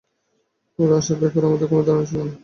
ওর আসার ব্যাপারে আমাদের কোন ধারণাও ছিল না।